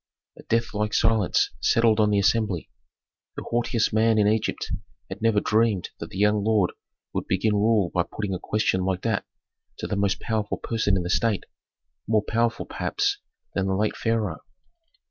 A deathlike silence settled on the assembly. The haughtiest man in Egypt had never dreamed that the young lord would begin rule by putting a question like that to the most powerful person in the state, more powerful, perhaps, than the late pharaoh.